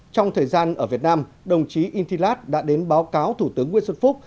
trong thời gian ở việt nam đồng chí intilat đã đến báo cáo thủ tướng nguyễn xuân phúc